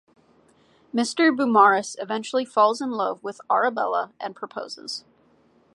Mr Beaumaris eventually falls in love with Arabella and proposes.